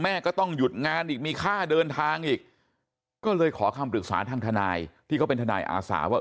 ก็ต้องหยุดงานอีกมีค่าเดินทางอีกก็เลยขอคำปรึกษาทางทนายที่เขาเป็นทนายอาสาว่า